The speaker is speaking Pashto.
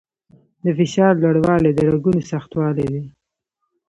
د فشار لوړوالی د رګونو سختوالي دی.